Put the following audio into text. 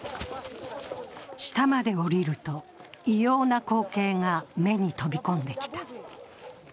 下まで下りると、異様な光景が目に飛び込んできた。